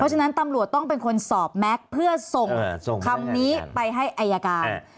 ฉะนั้นตำรวจต้องเป็นคนสอบแม็กซ์เพื่อส่งคำนี้ไปให้อายการ